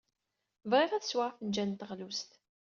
Bɣiɣ ad sweɣ afenjal n teɣlust.